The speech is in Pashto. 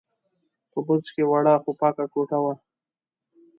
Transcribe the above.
په برج کې وړه، خو پاکه کوټه وه.